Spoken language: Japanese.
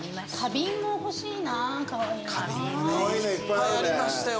いっぱいありましたよ。